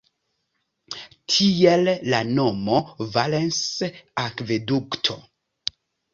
Tiel la nomo Valens-akvedukto.